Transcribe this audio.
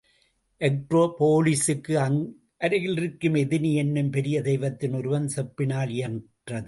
Agro போலிஸுக்கு அருகிலிருக்கும் எதினி என்னும் பெரிய தெய்வத்தின் உருவம் செம்பினால் இயன்றது.